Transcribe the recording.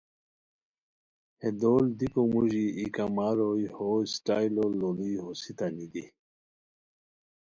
ہے دول دیکو موژی ای کما روئے ہوسٹائلو لُوڑی ہوسیتانی دی